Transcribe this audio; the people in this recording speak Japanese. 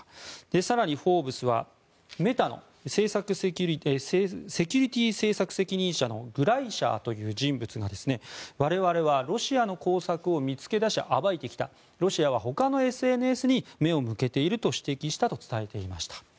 更に「フォーブス」は、メタのセキュリティー政策責任者のグライシャーという人物が我々はロシアの工作を見つけ出し、暴いてきたロシアはほかのＳＮＳに目を向けていると指摘したと伝えていました。